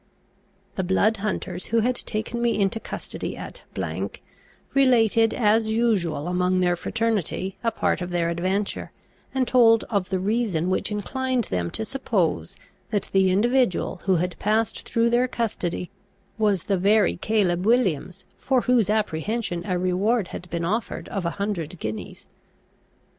The blood hunters who had taken me into custody at , related, as usual among their fraternity, a part of their adventure, and told of the reason which inclined them to suppose, that the individual who had passed through their custody, was the very Caleb Williams for whose apprehension a reward had been offered of a hundred guineas.